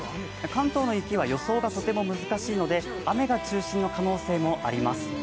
関東の雪は予想がとても難しいので、雨が中心の可能性もあります。